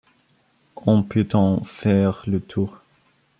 On peut en faire le tour.